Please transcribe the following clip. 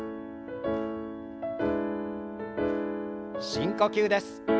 深呼吸です。